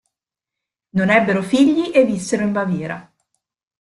Non ebbero figli, e vissero in Baviera.